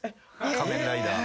仮面ライダー。